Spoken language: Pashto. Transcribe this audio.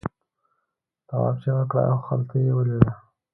تواب چیغه کړه او خلته یې ولوېده.